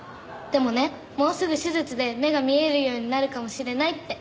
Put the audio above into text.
でもねもうすぐ手術で目が見えるようになるかもしれないって。